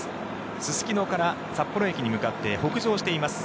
すすきのから札幌駅に向かって北上しています。